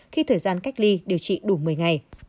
khi thời gian cách ly điều trị đủ một mươi ngày